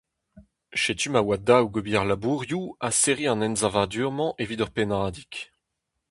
Setu ma oa dav ober labourioù ha serriñ an ensavadur-mañ evit ur pennadig.